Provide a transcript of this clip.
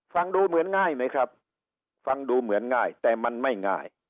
ฟังดูเหมือนง่ายไหมครับฟังดูเหมือนง่ายแต่มันไม่ง่าย